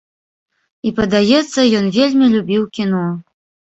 І падаецца, ён вельмі любіў кіно.